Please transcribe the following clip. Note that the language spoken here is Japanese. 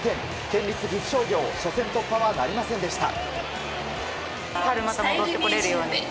県立岐阜商業初戦突破はなりませんでした。